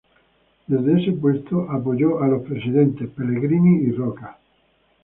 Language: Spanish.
Desde ese puesto apoyó a los presidentes Pellegrini y Roca.